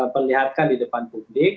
perlihatkan di depan publik